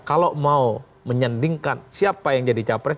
kalau mau menyandingkan siapa yang jadi capres